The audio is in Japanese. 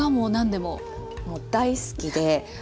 もう大好きで。